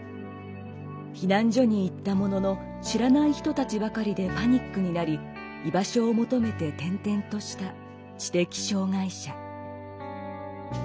避難所に行ったものの知らない人たちばかりでパニックになり居場所を求めて転々とした知的障害者。